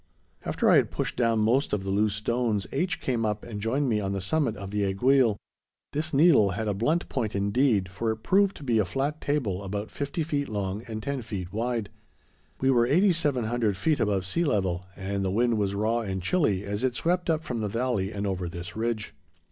After I had pushed down most of the loose stones, H. came up and joined me on the summit of the aiguille. This needle had a blunt point indeed, for it proved to be a flat table about fifty feet long and ten feet wide. We were 8,700 feet above sea level, and the wind was raw and chilly as it swept up from the valley and over this ridge.